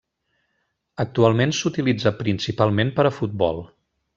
Actualment s'utilitza principalment per a futbol.